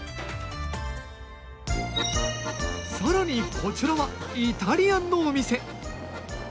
更にこちらはイタリアンのお店。